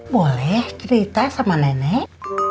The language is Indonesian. boleh cerita sama nenek